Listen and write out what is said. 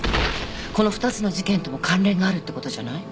この２つの事件とも関連があるってことじゃない？